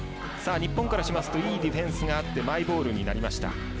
日本からしますといいディフェンスがあってマイボールになりました。